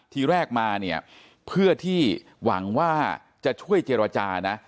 ทีแรกมาเนี่ยเพื่อที่หวังว่าจะช่วยเจรจานะ